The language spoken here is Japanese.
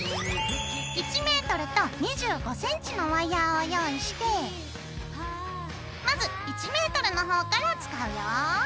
１メートルと２５センチのワイヤーを用意してまず１メートルの方から使うよ。